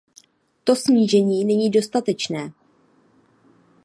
To snížení není dostatečné.